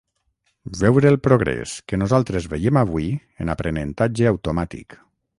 Veure el progrés que nosaltres veiem avui en aprenentatge automàtic.